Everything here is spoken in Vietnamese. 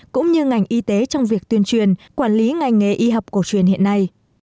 cũng như ngành y tế trong việc tuyên truyền quản lý ngành nghề y học cổ truyền hiện nay